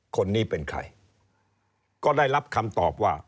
คนนี้เป็นใครก็ได้รับคำตอบว่า